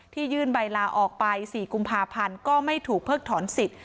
ยื่นใบลาออกไป๔กุมภาพันธ์ก็ไม่ถูกเพิกถอนสิทธิ